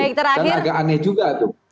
karena agak aneh juga itu